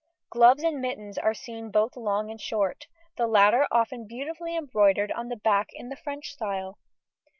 Gloves and mittens are seen both long and short, the latter often beautifully embroidered on the back in the French style.